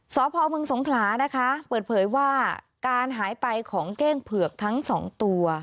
สพมสงขลานะคะเปิดเผยว่าการหายไปของเก้งเผือกทั้งสองตัว